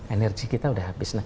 energi kita udah habis